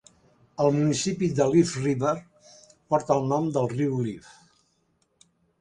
El municipi de Leaf River porta el nom del riu Leaf.